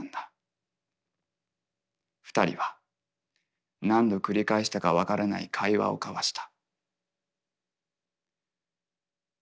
二人は何度繰り返したか分からない会話を交わした」。